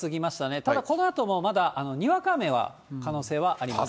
ただこのあともまだ、にわか雨は、可能性はあります。